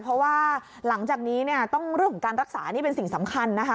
เพราะว่าหลังจากนี้เนี่ยต้องเรื่องของการรักษานี่เป็นสิ่งสำคัญนะคะ